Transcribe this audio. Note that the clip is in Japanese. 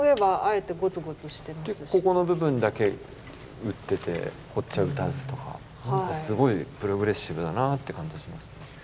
ここの部分だけ打っててこっちは打たずとかすごいプログレッシブだなって感じがします。